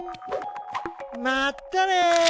まったね！